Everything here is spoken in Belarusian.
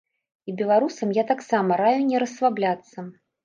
І беларусам я таксама раю не расслабляцца.